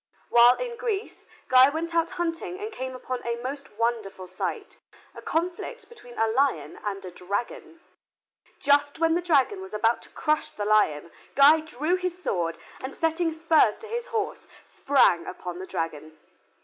While in Greece, Guy went out hunting and came upon a most wonderful sight, a conflict between a lion and a dragon. Just when the dragon was about to crush the lion Guy drew his sword, and setting spurs to his horse, sprang upon the dragon.